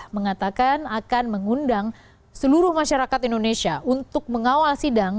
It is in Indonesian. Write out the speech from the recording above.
mengatakan akan mengundang seluruh masyarakat indonesia untuk mengawal sidang